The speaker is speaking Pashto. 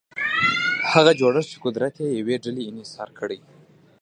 هغه جوړښت چې قدرت د یوې ډلې انحصار کړي.